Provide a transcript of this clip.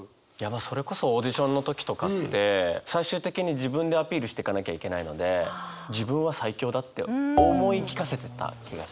それこそオーディションの時とかって最終的に自分でアピールしてかなきゃいけないので自分は最強だって思い聞かせてた気がします。